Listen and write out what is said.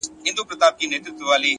چي توري څڼي پرې راوځړوې;